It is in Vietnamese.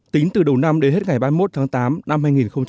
tính từ đầu năm đến hết ngày ba mươi một tháng tám năm hai nghìn một mươi tám